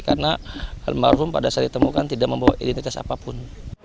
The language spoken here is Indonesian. karena almarhum pada saat ditemukan tidak membawa identitas apapun